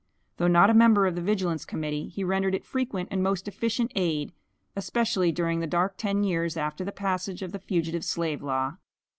Though not a member of the Vigilance Committee, he rendered it frequent and most efficient aid, especially during the dark ten years after the passage of the Fugitive Slave Law.